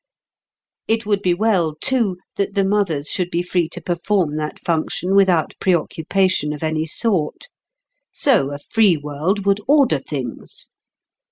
It would be well, too, that the mothers should be free to perform that function without preoccupation of any sort. So a free world would order things.